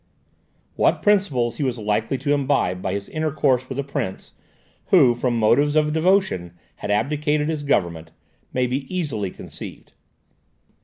What principles he was likely to imbibe by his intercourse with a prince, who from motives of devotion had abdicated his government, may be easily conceived.